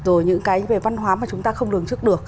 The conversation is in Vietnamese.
rồi những cái về văn hóa mà chúng ta không lường trước được